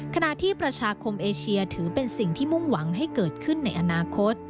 ขณะที่ประชาคมเอเชียถือเป็นสิ่งที่มุ่งหวังให้เกิดขึ้นในอนาคต